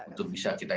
untuk bisa kita